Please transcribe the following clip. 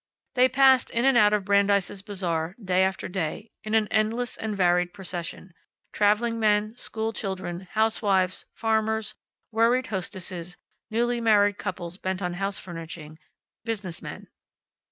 They passed in and out of Brandeis' Bazaar, day after day, in an endless and varied procession traveling men, school children, housewives, farmers, worried hostesses, newly married couples bent on house furnishing, business men.